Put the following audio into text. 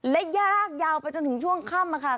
และยากยาวไปจนถึงช่วงค่ำค่ะ